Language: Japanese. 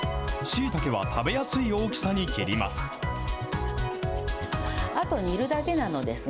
しいたけは食べやすい大きさに切ります。